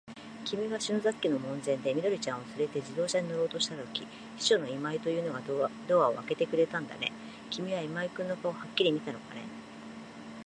きみが篠崎家の門前で、緑ちゃんをつれて自動車に乗ろうとしたとき、秘書の今井というのがドアをあけてくれたんだね。きみは今井君の顔をはっきり見たのかね。